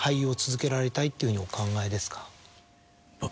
僕？